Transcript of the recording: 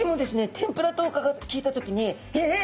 天ぷらと聞いた時にええっ！？